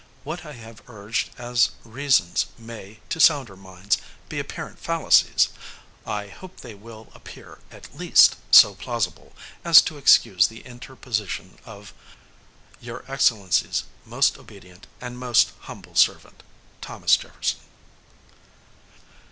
What I have urged as reasons, may, to sounder minds, be apparent fallacies. I hope they will appear, at least, so plausible, as to excuse the interposition of your Excellency's most obedient and most humble servant, Th: Jefferson.